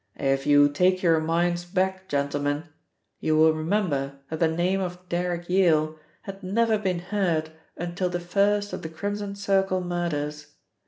"If you take your minds back, gentlemen, you will remember that the name of Derrick Yale had never been heard until the first of the Crimson Circle murders.